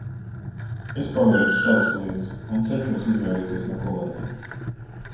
Es paveicu savas lietas un cenšos izvairīties no kolēģiem.